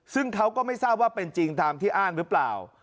ซึ่งเขาก็ไม่ทราบว่าเป็นจริงตามที่อ้างหรือเปล่า